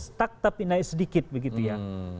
stuck tapi naik sedikit begitu ya